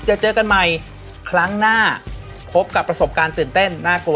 เจอเจอกันใหม่ครั้งหน้าพบกับประสบการณ์ตื่นเต้นน่ากลัว